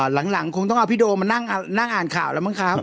หลังคงต้องเอาพี่โดมมานั่งอ่านข่าวแล้วมั้งครับ